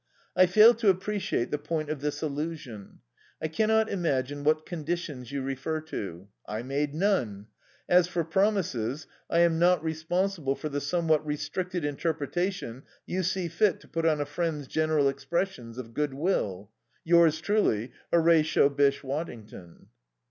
"I fail to appreciate the point of this allusion. I cannot imagine what conditions you refer to. I made none. As for promises, I am not responsible for the somewhat restricted interpretation you see fit to put on a friend's general expressions of goodwill. "Yours truly, "HORATIO BYSSHE WADDINGTON."